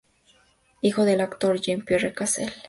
Hijo del actor Jean-Pierre Cassel.